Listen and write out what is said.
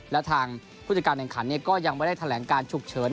และทางผู้จัดการแข่งขันก็ยังไม่ได้แถลงการฉุกเฉิน